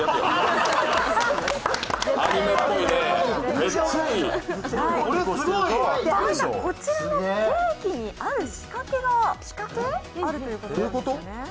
ＡＩさん、こちらのケーキにある仕掛けがあるということですよね。